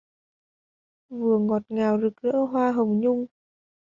Vừa ngọt ngào rực rỡ đóa hồng nhung?